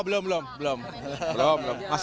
belum belum belum belum